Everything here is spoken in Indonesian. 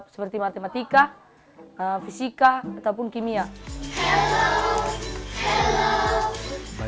seperti matematika fisika ataupun kimia